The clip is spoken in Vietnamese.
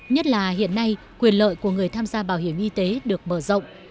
nhất là hiện nay quyền lợi của người tham gia bảo hiểm y tế được mở rộng